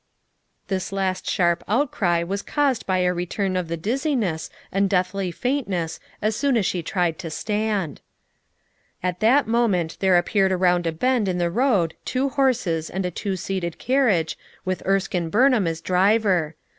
This last sharp outcry was caused by a re turn of the dizziness and deathly faintness as soon as she tried to stand. At that moment there appeared around a bend in the road two horses and a two seated carriage, with Erskine Bumham as driver.